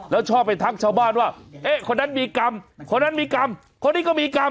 แล้วชอบไปทักชาวบ้านว่าเอ๊ะคนนั้นมีกรรมคนนั้นมีกรรมคนนี้ก็มีกรรม